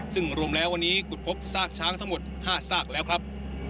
ซึ่งรวมแล้ววันนี้ขุดพบซากช้างทั้งหมด๕ซากแล้วครับ